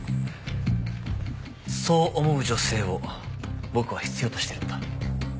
そう思う女性を僕は必要としているんだ。